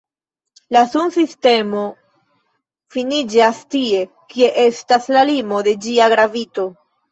La Sunsistemo finiĝas tie, kie estas la limo de ĝia gravito.